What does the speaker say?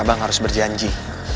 abang harus berjanji